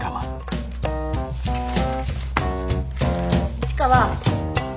市川。